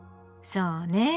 そうね。